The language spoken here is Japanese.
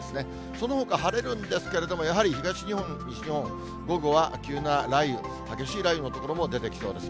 そのほか晴れるんですけれども、やはり東日本、西日本、午後は急な雷雨、激しい雷雨の所も出てきそうです。